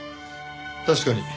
確かに。